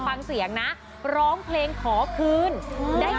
นั่นน่ะสิสงสัยฟังคุณพ่อคุณแม่เปิด